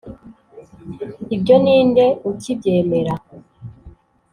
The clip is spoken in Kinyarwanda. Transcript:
ibyo ninde ukibyemera!